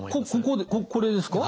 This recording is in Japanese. こここれですか？